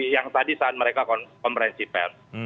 yang tadi saat mereka komprensi pers